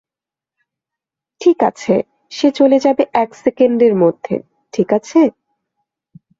ঠিক আছে, সে চলে যাবে এক সেকেন্ডের মধ্যে, ঠিক আছে?